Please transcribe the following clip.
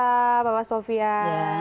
terima kasih sofyan